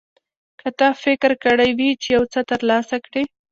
که تا فکر کړی وي چې یو څه ترلاسه کړې.